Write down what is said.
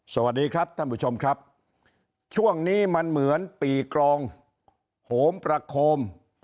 สวัสดีครับท่านผู้ชมครับช่วงนี้มันเหมือนปีกรองโหมประโคม